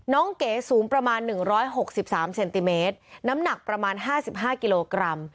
เก๋สูงประมาณ๑๖๓เซนติเมตรน้ำหนักประมาณ๕๕กิโลกรัม